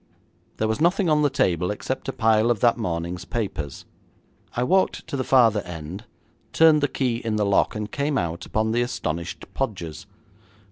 There was nothing on the table except a pile of that morning's papers. I walked to the farther end, turned the key in the lock, and came out upon the astonished Podgers.